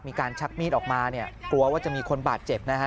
ชักมีดออกมาเนี่ยกลัวว่าจะมีคนบาดเจ็บนะฮะ